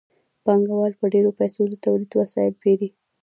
پانګوال په ډېرو پیسو د تولید وسایل پېري